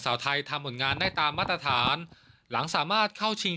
สาวไทยทำผลงานได้ตามมาตรฐานหลังสามารถเข้าชิง